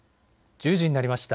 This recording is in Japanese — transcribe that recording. １０時になりました。